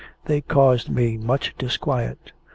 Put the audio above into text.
They caused me much disquiet.